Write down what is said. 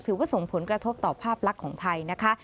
ถือว่าส่งผลกระทบต่อภาพลักษณ์ของไทยนะคะ